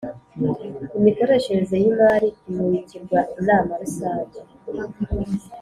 Imikoreshereze y’ imari imurikirwa inama rusange